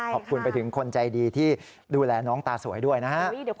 ขอบคุณไปถึงคนใจดีที่ดูแลน้องตาสวยด้วยนะฮะ